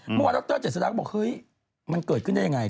เมื่อวานดรเจษฎาก็บอกเฮ้ยมันเกิดขึ้นได้ยังไง